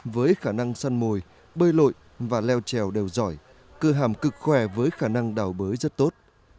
với khả năng săn mồi bơi lội và leo trèo đều giỏi cư hàm cực khỏe với khả năng đào bới rất tốt